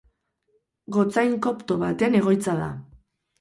Gotzain kopto baten egoitza da.